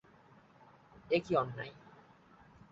এ কী অন্যায়।